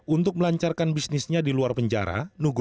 untuk melancarkan bisnisnya di luar penjara